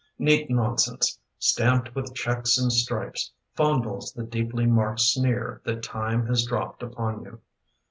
Neat nonsense, stamped with checks and stripes, Fondles the deeply marked sneer That Time has dropped upon you.